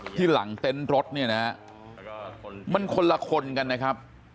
ที่หลังเต้นรถเนี่ยนะมันคนละคนกันนะครับ